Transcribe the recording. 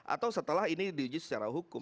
atau setelah ini diuji secara hukum